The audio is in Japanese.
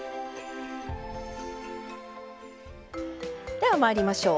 ではまいりましょう。